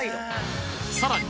さらに